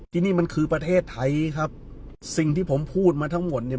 ที่นี่มันคือประเทศไทยครับสิ่งที่ผมพูดมาทั้งหมดเนี่ย